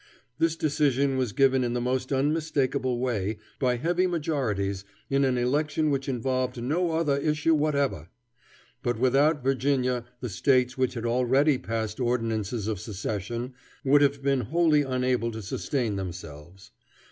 This decision was given in the most unmistakable way, by heavy majorities, in an election which involved no other issue whatever. But without Virginia the States which had already passed ordinances of secession would have been wholly unable to sustain themselves.